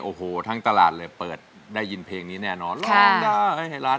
โอ้โหทั้งตลาดเลยเปิดได้ยินเพลงนี้แน่นอนจะลองได้